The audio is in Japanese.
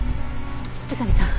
宇佐見さん